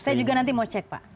saya juga nanti mau cek pak